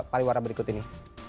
pariwara berikut ini